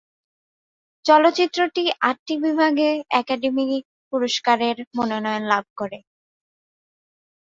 চলচ্চিত্রটি আটটি বিভাগে একাডেমি পুরস্কারের মনোনয়ন লাভ করে।